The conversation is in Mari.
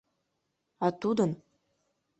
А тудын...